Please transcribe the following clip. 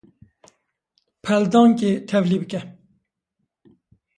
Peldankê tevlî bike.